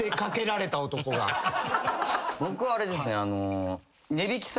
僕はあれですね。